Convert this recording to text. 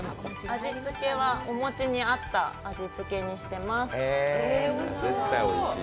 味付けはお餅に合った味付けにしてます。